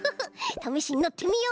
ためしにのってみよう。